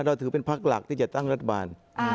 เราถือเป็นพักหลักที่จะตั้งรัฐบาล